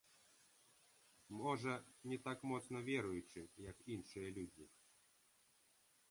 Можа, не так моцна веруючы, як іншыя людзі.